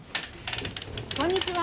こんにちは！